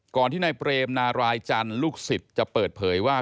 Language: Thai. ที่นายเปรมนารายจันทร์ลูกศิษย์จะเปิดเผยว่า